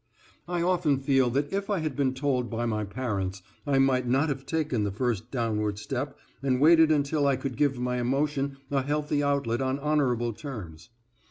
I often feel that if I had been told by my parents, I might not have taken the first downward step and waited until I could give my emotion a healthy outlet on honorable terms.